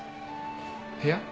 部屋？